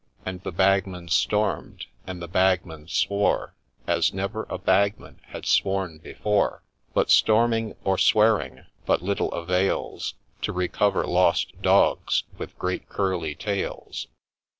And the Bagman storm'd, and the Bagman swore As never a Bagman had sworn before ; But storming or swearing but little avails To recover lost dogs with great curly tails.